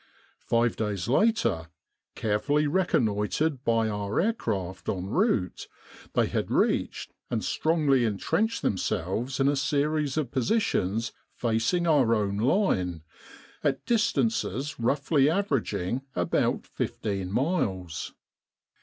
Five days later, carefully reconnoitred by our aircraft en route, they had reached and strongly entrenched themselves in a series of positions facing our own line, at distances roughly averaging about fifteen miles.